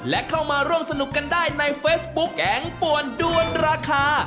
และเข้ามาร่วมสนุกกันได้ในเฟซบุ๊กแกงป่วนด้วนราคา